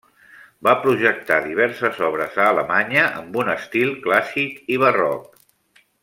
Va projectar diverses obres a Alemanya amb un estil clàssic i barroc.